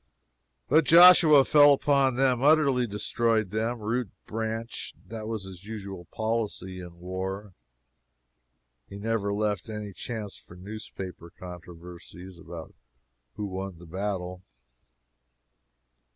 But Joshua fell upon them and utterly destroyed them, root and branch. That was his usual policy in war. He never left any chance for newspaper controversies about who won the battle.